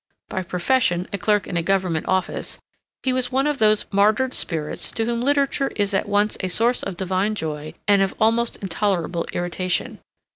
By profession a clerk in a Government office, he was one of those martyred spirits to whom literature is at once a source of divine joy and of almost intolerable irritation.